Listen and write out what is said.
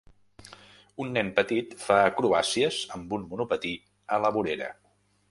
Un nen petit fa acrobàcies amb un monopatí a la vorera.